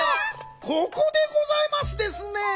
ここでございますですね。